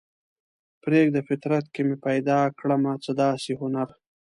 پریږده فطرت کې مې پیدا کړمه څه داسې هنر